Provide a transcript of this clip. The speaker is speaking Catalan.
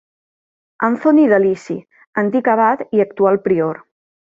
Anthony Delisi, antic abat i actual prior.